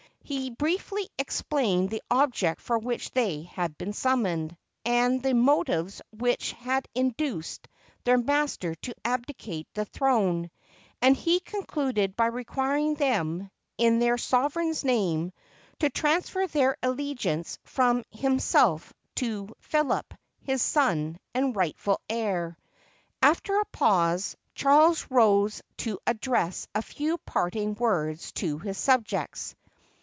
He briefly explained the object for which they had been summoned, and the motives which had induced their master to abdicate the throne; and he concluded by requiring them, in their sovereign's name, to transfer their allegiance from him self to Philip, his son and rightful heir. After a pause, Charles rose to address a few parting words to his subjects.